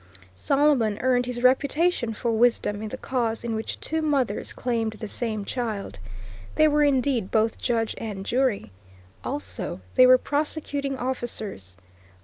Solomon earned his reputation for wisdom in the cause in which two mothers claimed the same child. They were indeed both judge and jury. Also they were prosecuting officers.